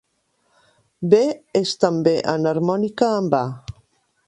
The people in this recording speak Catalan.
B és també enharmònica amb A.